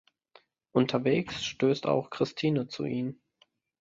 Unterwegs stößt auch Christine zu ihnen.